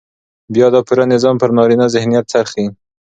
بيا دا پوره نظام پر نارينه ذهنيت څرخي.